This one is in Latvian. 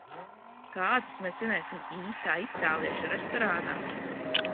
Kāzas mēs svinēsim īstā itāliešu restorānā.